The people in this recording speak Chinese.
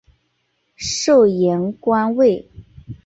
授盐官尉。